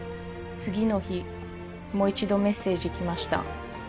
次の日もう一度メッセージ来ました